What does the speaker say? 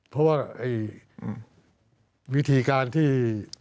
เพราะว่าวิธีการที่